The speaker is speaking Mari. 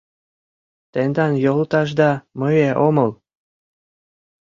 Тендан йолташда мые омыл